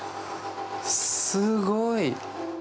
すごい。